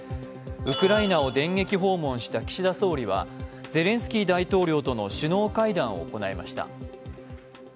ウクライナを電撃訪問した岸田総理はゼレンスキー大統領との首脳会談を行いました。